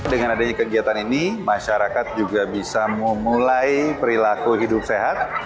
dengan adanya kegiatan ini masyarakat juga bisa memulai perilaku hidup sehat